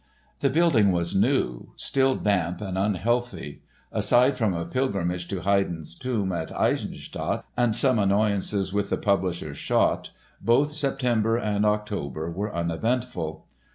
The building was new, still damp and unhealthy. Aside from a pilgrimage to Haydn's tomb at Eisenstadt and some annoyances with the publisher, Schott, both September and October were uneventful.